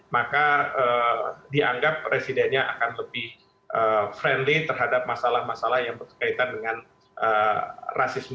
maka dianggap presidennya akan lebih friendly terhadap masalah masalah yang berkaitan dengan rasisme